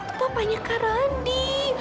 itu papanya kak randi